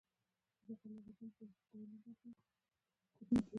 د دې پوښتنې ځواب مې وپوښت.